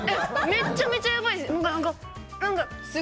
めっちゃめちゃヤバイです。